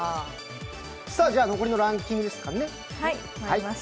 残りのランキングですね。